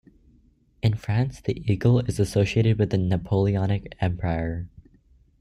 In France, the eagle is associated with the Napoleonic empire.